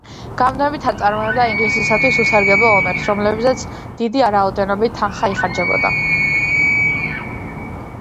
გამუდმებით აწარმოებდა ინგლისისათვის უსარგებლო ომებს, რომელზეც დიდი რაოდენობით თანხა იხარჯებოდა.